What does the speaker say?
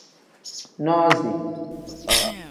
Nozi.